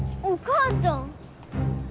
お母ちゃん。